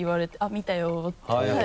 「見たよ」って。